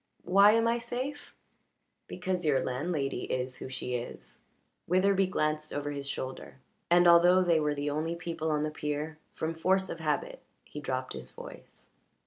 "Why am I safe?" "Because your landlady is who she is." Witherbee glanced over his shoulder, and, although they were the only people on the pier, from force of habit he dropped his voice.